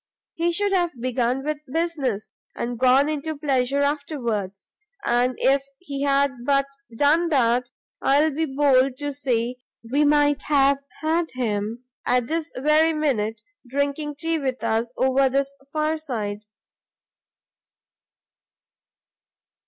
He should have begun with business, and gone into pleasure afterwards and if he had but done that, I'll be bold to say we might have had him at this very minute drinking tea with us over this fireside."